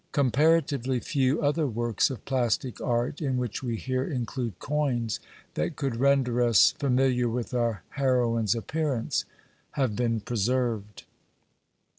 Comparatively few other works of plastic art, in which we here include coins, that could render us familiar with our heroine's appearance, have been preserved.